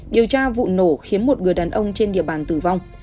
điều tra vụ nổ khiến một người đàn ông trên địa bàn tử vong